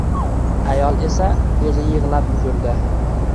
Ayol esa o’zi yig’lab yugurdi